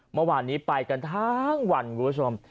เมื่อวานนี้ไปกันทั้งวันคุณผู้ชม